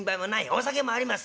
お酒もあります。